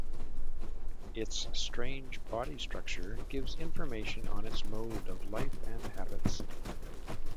Its strange body structure gives information on its mode of life and habits.